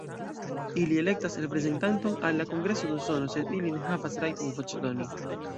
Ili elektas reprezentanton al la Kongreso de Usono, sed ili ne havas rajton voĉdoni.